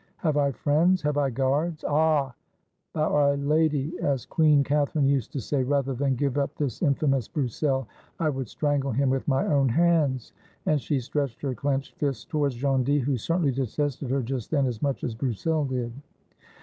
Have I friends? Have I guards? Ah ! by our Lady, as Queen Catherine used to say, rather than give up this infamous Broussel, I would strangle him with my own hands." And she stretched her clinched fists towards Gondy, who certainly detested her just then as much as Broussel did.